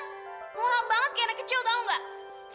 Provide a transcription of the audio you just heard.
ngurang banget kayak anak kecil tau nggak